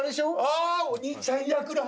あお兄ちゃん役だ。